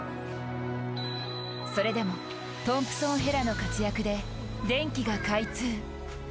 それでもトンプソン・ヘラの活躍で電気が開通。